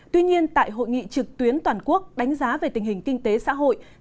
tuy nhiên tại hội nghị trực tuyến toàn quốc đánh giá về tình hình kinh tế xã hội